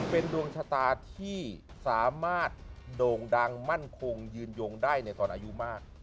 เป็นดวงชะตาที่สามารถโด่งดังมั่นคงยืนยงได้ในตอนอายุมาก